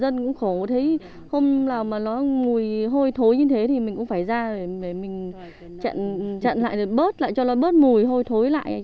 nếu mà nó mùi hôi thối như thế thì mình cũng phải ra để mình chặn lại bớt lại cho nó bớt mùi hôi thối lại